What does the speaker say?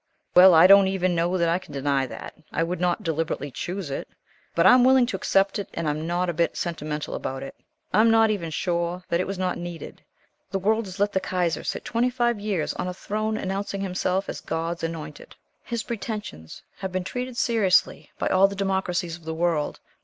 "Well, I don't even know that I can deny that. I would not deliberately choose it. But I am willing to accept it, and I am not a bit sentimental about it. I am not even sure that it was not needed. The world has let the Kaiser sit twenty five years on a throne announcing himself as 'God's anointed.' His pretensions have been treated seriously by all the democracies of the world.